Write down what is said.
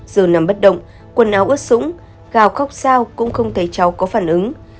giờ nằm bất động quần áo ướt súng gào khóc sao cũng không thấy cháu có phản ứng